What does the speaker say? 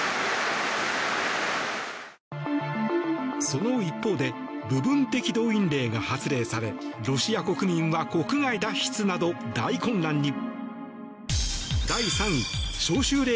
その一方で部分的動員令が発令されロシア国民は国外脱出など大混乱に。